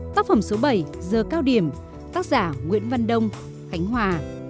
tác phẩm số bảy giờ cao điểm tác giả nguyễn văn đông khánh hòa